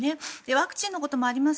ワクチンのこともあります